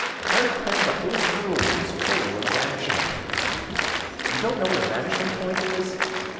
Carter claimed the whole world was full of vanishing points. You don't know what a vanishing point is?